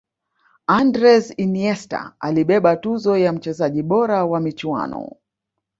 andres iniesta alibeba tuzo ya mchezaji bora wa michuano